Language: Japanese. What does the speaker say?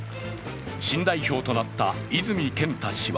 新代表となった泉健太氏は